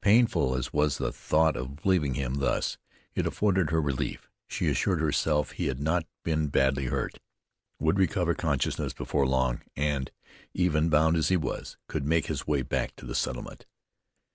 Painful as was the thought of leaving him thus, it afforded her relief. She assured herself he had not been badly hurt, would recover consciousness before long, and, even bound as he was, could make his way back to the settlement.